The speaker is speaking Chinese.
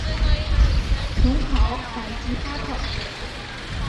琼考海吉哈特。